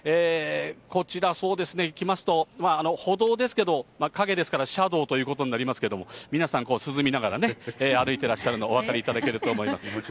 こちら、そうですね、来ますと、歩道ですけれども、影ですからシャドーということになりますけど、皆さん、涼みながらね、歩いてらっしゃるの分かると思います。